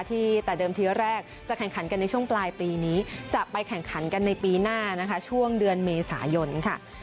ที่แต่เดิมทีแรกจะแข่งขันกันในช่วงปลายปีนี้จะไปแข่งขันกันในปีหน้านะคะช่วงเดือนเมษายนค่ะ